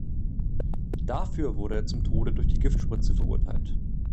Dafür wurde er zum Tode durch die Giftspritze verurteilt.